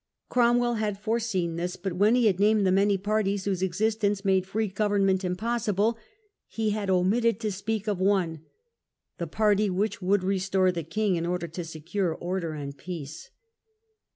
Cromwell had foreseen this; but when he had named the many parties whose existence made free government impossible, he had omitted to speak of one — the party which would restore the king in order to secure order and peace.